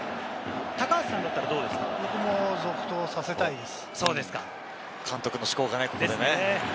僕も続投させたいです。